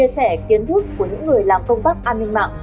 sẻ kiến thức của những người làm công tác an ninh mạng